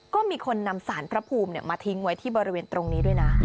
ก็มีคนนำสารพระภูมิมาทิ้งไว้ที่บริเวณตรงนี้ด้วยนะ